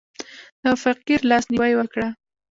د فقیر لاس نیوی وکړه.